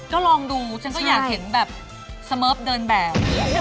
ก็ลองดูฉันก็อยากเห็นแบบสเมิร์ฟเดินแบบ